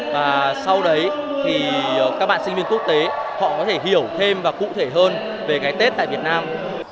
và sau đấy thì các bạn sinh viên quốc tế họ có thể hiểu thêm và cụ thể hơn về cái tết tại việt nam